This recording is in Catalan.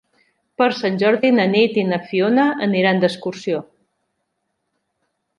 Per Sant Jordi na Nit i na Fiona aniran d'excursió.